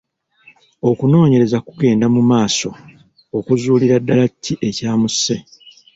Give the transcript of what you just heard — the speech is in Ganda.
Okunoonyereza kugenda mu maaso okuzuulira ddala ki ekyamusse.